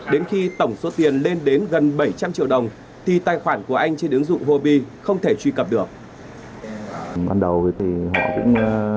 đến khi tổng số tiền lên đến gần hai triệu đồng